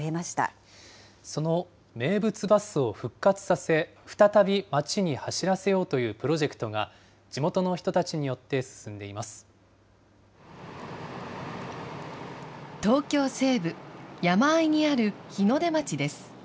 その名物バスを復活させ、再び町に走らせようというプロジェクトが、地元の人たちによって東京西部、山あいにある日の出町です。